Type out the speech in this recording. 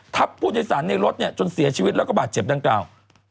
ทับผู้โดยสารในรถจนเสียชีวิตและบาดเจ็บดังกล่าว